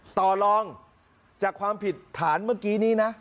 ต่อลองจากความผิดฐานเมื่อกี้นี้นะ